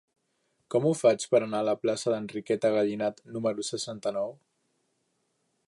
Com ho faig per anar a la plaça d'Enriqueta Gallinat número seixanta-nou?